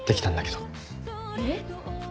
えっ？